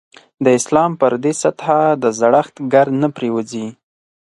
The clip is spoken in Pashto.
د اسلام پر دې سطح د زړښت ګرد نه پرېوځي.